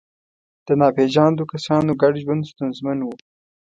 د ناپېژاندو کسانو ګډ ژوند ستونزمن و.